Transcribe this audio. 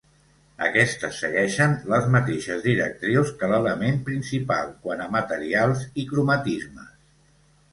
Aquestes segueixen les mateixes directrius que l'element principal quant a materials i cromatismes.